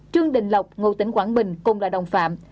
trương đình lộc ngụ tỉnh quảng bình cùng là đồng phạm